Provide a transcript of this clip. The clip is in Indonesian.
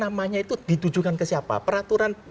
namanya itu ditujukan ke siapa peraturan